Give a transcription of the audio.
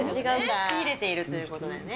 仕入れているということでね。